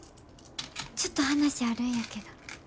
ちょっと話あるんやけど。